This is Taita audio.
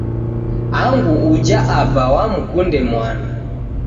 Angu uje aba wamkunde mwana